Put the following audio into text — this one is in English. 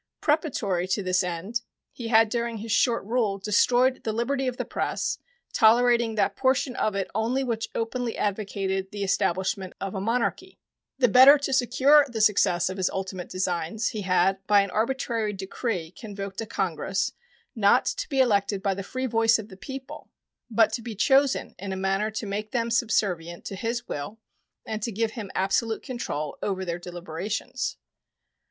Preparatory to this end, he had during his short rule destroyed the liberty of the press, tolerating that portion of it only which openly advocated the establishment of a monarchy. The better to secure the success of his ultimate designs, he had by an arbitrary decree convoked a Congress, not to be elected by the free voice of the people, but to be chosen in a manner to make them subservient to his will and to give him absolute control over their deliberations.